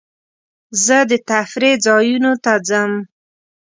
زه د تفریح ځایونو ته ځم.